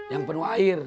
yang penuh air